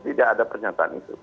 tidak ada pernyataan itu